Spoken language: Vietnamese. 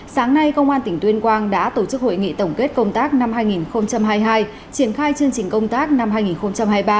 sáng nay công an tỉnh tuyên quang đã tổ chức hội nghị tổng kết công tác năm hai nghìn hai mươi hai